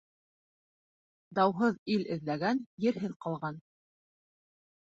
Дауһыҙ ил эҙләгән ерһеҙ ҡалған.